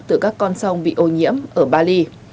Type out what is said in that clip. từ các con sông bị ô nhiễm ở bali